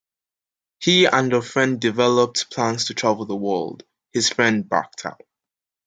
He and a friend developed plans to travel the world; his friend backed out.